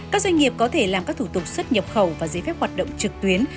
các doanh nghiệp có thể làm các thủ tục xuất nhập khẩu và giấy phép hoạt động trực tuyến